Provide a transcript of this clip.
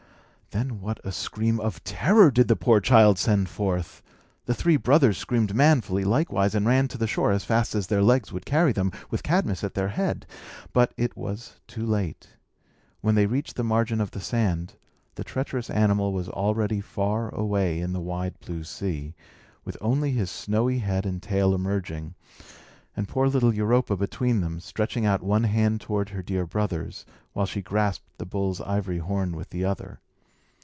Then what a scream of terror did the poor child send forth! The three brothers screamed manfully, likewise, and ran to the shore as fast as their legs would carry them, with Cadmus at their head. But it was too late. When they reached the margin of the sand, the treacherous animal was already far away in the wide blue sea, with only his snowy head and tail emerging, and poor little Europa between them, stretching out one hand toward her dear brothers, while she grasped the bull's ivory horn with the other.